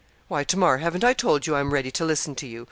'Why, Tamar, haven't I told you I'm ready to listen to you.